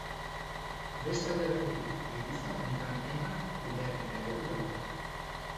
Beste alde batetik, geruza honetan hainbat kudeaketa eredu daude.